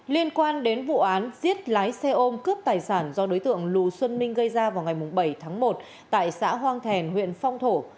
liên quan đến vụ án giết lái xe ôm cướp tài sản do đối tượng lù xuân ninh gây ra vào ngày bảy tháng một tại xã hoang thèn huyện phong thổ